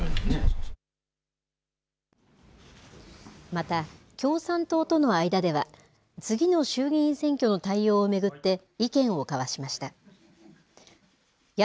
また、共産党との間では、次の衆議院選挙の対応を巡って、意見を交わしました。